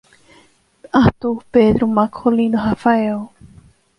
Arthur Pedro Marcolino Rafael